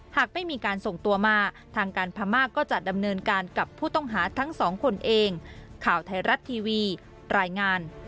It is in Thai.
หากไม่มีการส่งตัวมาทางการพม่าก็จะดำเนินการกับผู้ต้องหาทั้งสองคนเอง